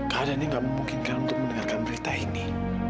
keadaannya gak memungkinkan untuk mendengarkan berita ini